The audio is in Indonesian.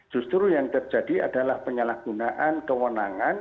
justru yang terjadi adalah penyalahgunaan kewenangan